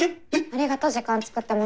ありがとう時間つくってもらって。